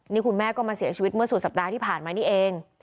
นี่คุณแม่ก็มาเสียชีวิตเมื่อสุดสัปดาห์ที่ผ่านมานี่เอง